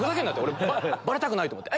俺バレたくないと思って。